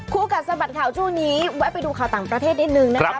กัดสะบัดข่าวช่วงนี้แวะไปดูข่าวต่างประเทศนิดนึงนะครับ